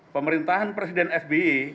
pemerintahan presiden sbe